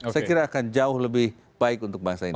saya kira akan jauh lebih baik untuk bangsa ini